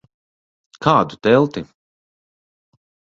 Kādu telti?